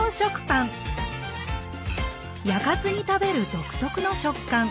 焼かずに食べる独特の食感。